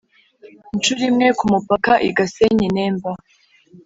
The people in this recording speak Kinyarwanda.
inshuro imwe ku mupaka i gasenyi i- nemba